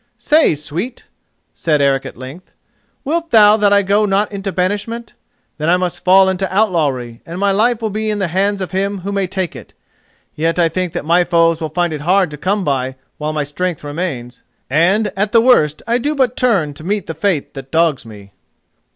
"Say, sweet," said Eric at length, "wilt thou that I go not into banishment? Then I must fall into outlawry, and my life will be in the hands of him who may take it; yet I think that my foes will find it hard to come by while my strength remains, and at the worst I do but turn to meet the fate that dogs me."